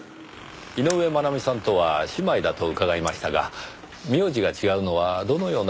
井上真奈美さんとは姉妹だと伺いましたが名字が違うのはどのような理由で？